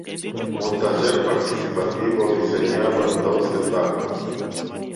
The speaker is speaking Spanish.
Un taller participativo diseñado en dos etapas.